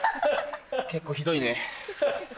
結構ひどいね。